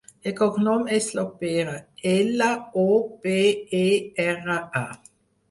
El cognom és Lopera: ela, o, pe, e, erra, a.